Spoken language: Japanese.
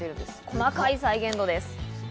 細かい再現度です。